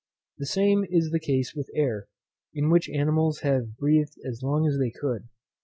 The same is the case with air, in which animals have breathed as long as they could.